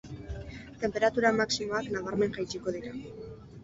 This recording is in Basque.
Tenperatura maximoak nabarmen jaitsiko dira.